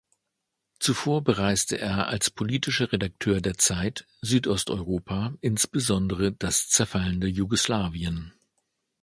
Zuvor bereiste er als politischer Redakteur der "Zeit" Südosteuropa, insbesondere das zerfallende Jugoslawien.